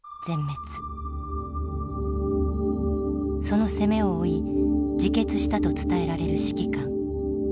その責めを負い自決したと伝えられる指揮官。